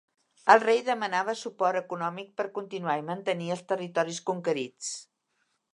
El rei demanava suport econòmic per continuar i mantenir els territoris conquerits.